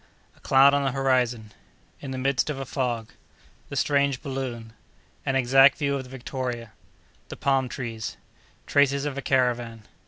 —A Cloud on the Horizon.—In the Midst of a Fog.—The Strange Balloon.—An Exact View of the Victoria.—The Palm Trees.—Traces of a Caravan.